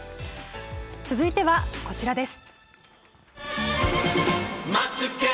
続いてはこちらです。